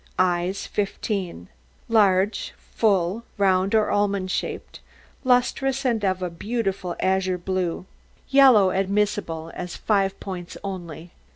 EYES 15 Large, full, round or almond shape, lustrous, and of a beautiful azure blue. Yellow admissible as five points only.